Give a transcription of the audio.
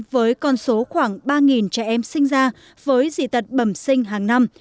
với con số khoảng ba trẻ em sinh ra với dị tật bẩm sinh hàng năm